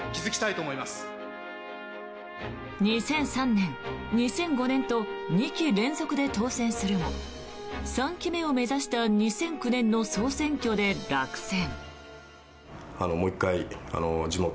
２００３年、２００５年と２期連続で当選するも３期目を目指した２００９年の総選挙で落選。